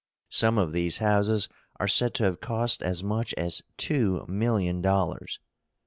Some of these houses are said to have cost as much as two million dollars.